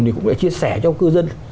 thì cũng phải chia sẻ cho cư dân